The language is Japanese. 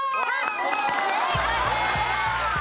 正解です！